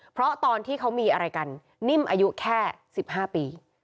เพราะตอนที่เขามีอะไรกันนิ่มอายุแค่๑๕ปี